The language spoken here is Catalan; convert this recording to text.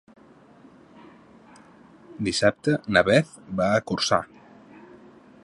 Dissabte na Beth va a Corçà.